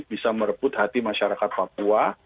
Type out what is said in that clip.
bisa merebut hati masyarakat papua